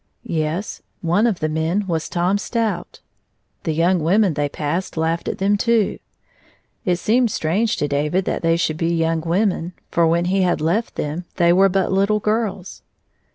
Yes; one of the men was Tom Stout. The young women they passed laughed at them, too. It seemed strange to David that they should be young women, for when he had left liiem they were but little girls.